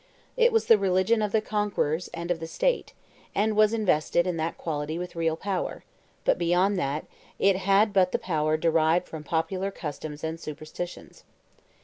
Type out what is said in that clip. It was the religion of the conquerors and of the state, and was invested, in that quality, with real power; but, beyond that, it had but the power derived from popular customs and superstitions.